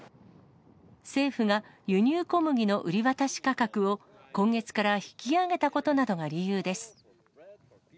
政府が輸入小麦の売り渡し価格を今月から引き上げたことなどが理由です。